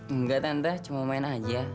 enggak tanda cuma main aja